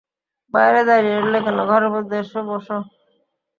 বাইরে দাঁড়িয়ে রইলে কেন, ঘরের মধ্যে এসো বোসো।